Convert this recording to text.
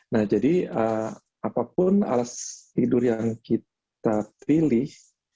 nah jadi apapun alas tidur yang kita pilih